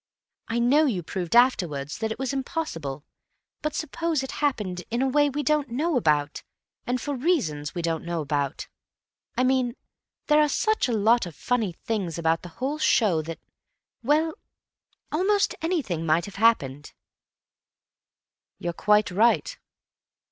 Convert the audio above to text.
I know you proved afterwards that it was impossible, but suppose it happened in a way we don't know about and for reasons we don't know about. I mean, there are such a lot of funny things about the whole show that—well, almost anything might have happened." "You're quite right.